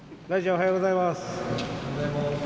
おはようございます。